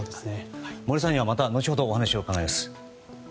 森さんには後ほどまたお話を伺います。